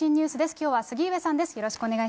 きょうは杉上さんです。